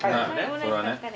それはね。